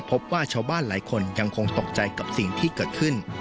พบว่าชาวบ้านหลายคนยังคงตกใจกับสิ่งที่เกิดขึ้น